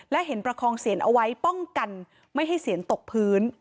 และเห็นประคองเสียนเอาไว้ป้องกันไม่ให้เสียนตกพื้น